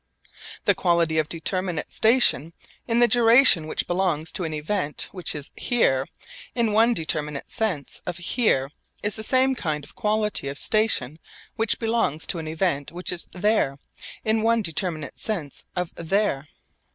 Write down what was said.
The quality of determinate station in the duration which belongs to an event which is 'here' in one determinate sense of 'here' is the same kind of quality of station which belongs to an event which is 'there' in one determinate sense of 'there.'